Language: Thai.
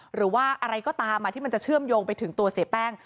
หรือว่าอะไรก็ตามที่มันจะเชื่อมโยงไปถึงตัวเสียแป้ง